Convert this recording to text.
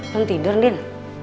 belum tidur din